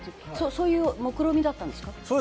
そういう、もくろみだったんですか？